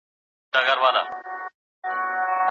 آیا سیاستپوهنه د سیاست له عملي اړخ سره کوم تړاو لري؟